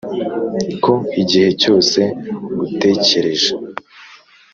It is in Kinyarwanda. ko igihe cyose ngutekereje,